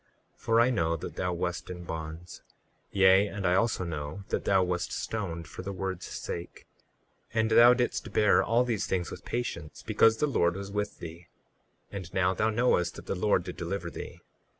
38:4 For I know that thou wast in bonds; yea, and I also know that thou wast stoned for the word's sake; and thou didst bear all these things with patience because the Lord was with thee; and now thou knowest that the Lord did deliver thee.